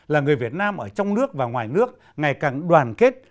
là người việt nam ở trong nước và ngoài nước ngày càng đoàn kết